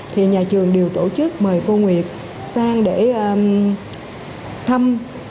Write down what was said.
thì nhà trường đều tổ chức mời cô nguyệt sang để thăm